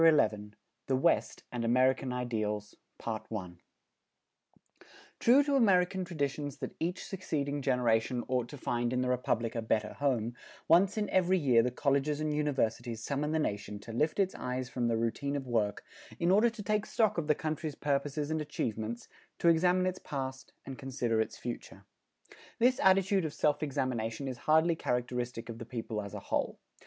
XI THE WEST AND AMERICAN IDEALS[290:1] True to American traditions that each succeeding generation ought to find in the Republic a better home, once in every year the colleges and universities summon the nation to lift its eyes from the routine of work, in order to take stock of the country's purposes and achievements, to examine its past and consider its future. This attitude of self examination is hardly characteristic of the people as a whole.